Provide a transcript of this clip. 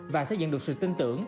và xây dựng được sự tin tưởng